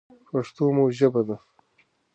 پښتو مو ژبه ده.